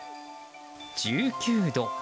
１９度。